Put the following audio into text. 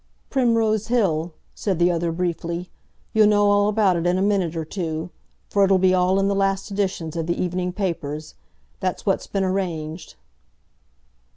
"Primrose Hill," said the other briefly. "You'll know all about it in a minute or two, for it'll be all in the last editions of the evening papers. That's what's been arranged."